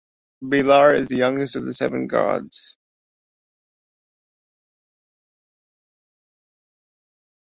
Belar is the youngest of the seven gods.